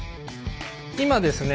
今ですね